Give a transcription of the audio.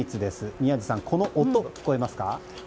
宮司さん、この音聞こえますか？